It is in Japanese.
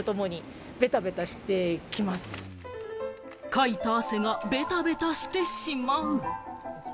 かいた汗がベタベタしてしまう。